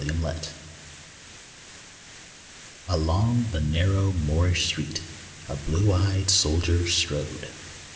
AN EPISODE Along the narrow Moorish street A blue eyed soldier strode.